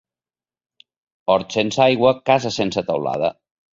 Hort sense aigua, casa sense teulada.